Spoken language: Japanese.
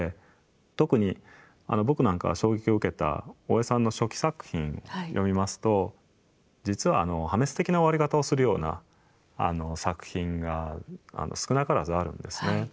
特に僕なんかが衝撃を受けた大江さんの初期作品読みますと実は破滅的な終わり方をするような作品が少なからずあるんですね。